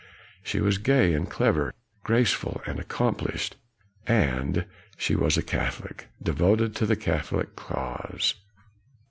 She was gay and clever, graceful and accomplished. And she was a Catholic, devoted to the Catholic cause.